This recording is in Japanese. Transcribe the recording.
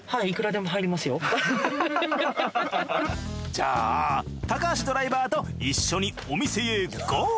じゃあ高橋ドライバーと一緒にお店へゴー！